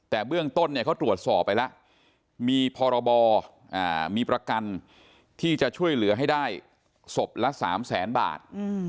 แต่เบื้องต้นเนี่ยเขาตรวจสอบไปแล้วมีพรบมีประกันที่จะช่วยเหลือให้ได้ศพละ๓แสนบาท